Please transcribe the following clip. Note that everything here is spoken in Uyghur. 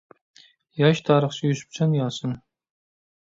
ياش تارىخچى يۈسۈپجان ياسىن.